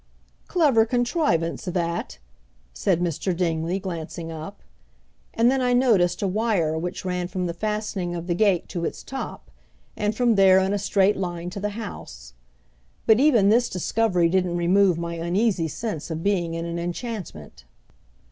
"Clever contrivance that," said Mr. Dingley, glancing up. And then I noticed a wire which ran from the fastening of the gate to its top, and from there in a straight line to the house. But even this discovery didn't remove my uneasy sense of being in an enchantment.